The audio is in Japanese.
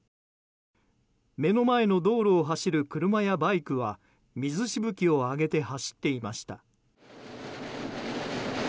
目の前の道路を走る車やバイクは水しぶきを上げて走っていました。